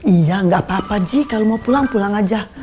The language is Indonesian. iya nggak apa apa ji kalau mau pulang pulang aja